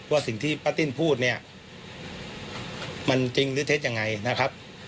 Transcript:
ว่าสิ่งที่ป้าติ้นพูดเนี่ยมันจริงหรือเท็จยังไงนะครับ